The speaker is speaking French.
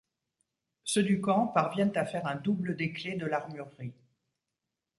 Ceux du camp parviennent à faire un double des clés de l'armurerie.